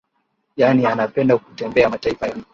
yaani anapenda kutembea mataifa ya